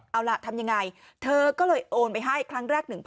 เอาล่ะทำยังไงเธอก็เลยโอนไปให้ครั้งแรก๑๐๐๐